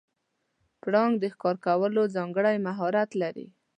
پړانګ د ښکار کولو ځانګړی مهارت لري.